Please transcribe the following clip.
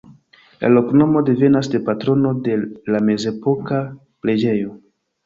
La loknomo devenas de patrono de la mezepoka preĝejo.